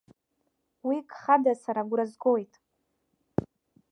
Уи гхада сара агәра згоит.